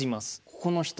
ここの人。